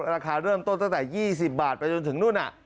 ราคาเริ่มต้นตั้งแต่๒๐บาทไปจนถึงนู่น